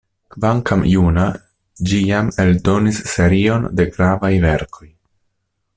Kvankam juna, ĝi jam eldonis serion de gravaj verkoj.